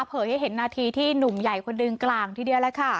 ให้เห็นนาทีที่หนุ่มใหญ่คนหนึ่งกลางทีเดียวแหละค่ะ